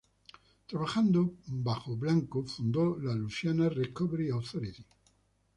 Trabajando bajo Blanco fundó la Luisiana Recovery Authority.